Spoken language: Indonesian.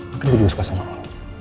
mungkin gue juga suka sama lo